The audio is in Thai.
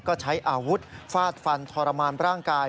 ก็ใช้อาวุธฟาดฟันทรมานร่างกาย